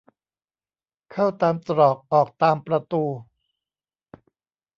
เข้าตามตรอกออกตามประตู